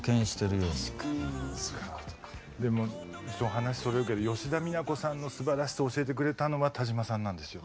話それるけど吉田美奈子さんのすばらしさ教えてくれたのは田島さんなんですよ。